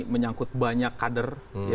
menyangkut banyak kader